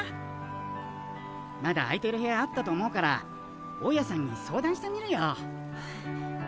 まだ空いてる部屋あったと思うから大家さんに相談してみるよ。